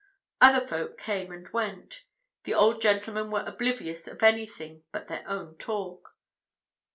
Other folk came and went; the old gentlemen were oblivious of anything but their own talk.